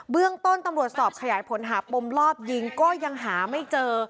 เรื่องต้นตำรวจสอบขยายผลหาปมรอบยิงก็ยังหาไม่เจอ